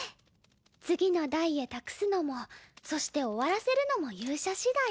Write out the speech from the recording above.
次の代へ託すのもそして終わらせるのも勇者しだい。